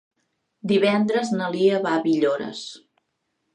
Divendres na Lia va a Villores.